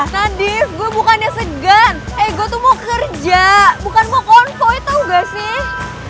nadief gue bukannya segan eh gue tuh mau kerja bukan mau konvoy tau gak sih